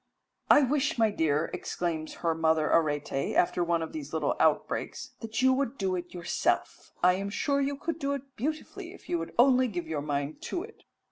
"I wish, my dear," exclaims her mother Arete, after one of these little outbreaks, "that you would do it yourself. I am sure you could do it beautifully if you would only give your mind to it."